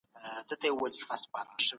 هغه شرط چې اساسي وي بايد پوره سي.